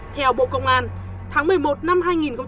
theo bộ công an tháng một mươi một năm hai nghìn một mươi chín